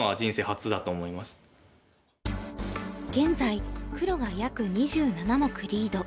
現在黒が約２７目リード。